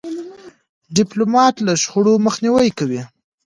ډيپلومات له شخړو مخنیوی کوي.